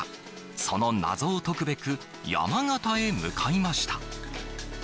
その謎を解くべく、山形へ向かいました。